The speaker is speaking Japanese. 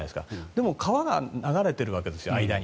でも川が流れてるわけです間に。